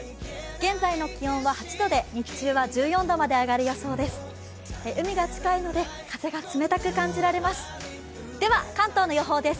現在の気温は８度で、日中は１４度まで上がる予想です。